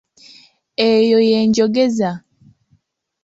Eyo ye njogeza.